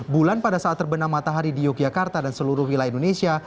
bulan pada saat terbenam matahari di yogyakarta dan seluruh wilayah indonesia